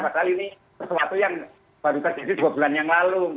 padahal ini sesuatu yang baru terjadi dua bulan yang lalu